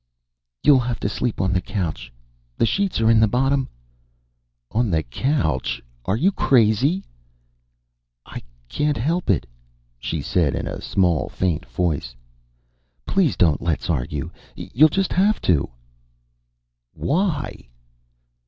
"You'll have to sleep on the couch. The sheets are in the bottom " "On that couch? Are you crazy?" "I can't help it," she said in a small faint voice. "Please don't let's argue. You'll just have to." "_Why?